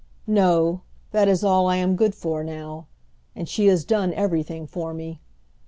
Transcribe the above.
"No, that is all I am good for now. And she has done everything for me.